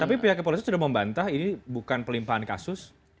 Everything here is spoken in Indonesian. tapi pihak kepolisian sudah membantah ini bukan pelimpahan kasus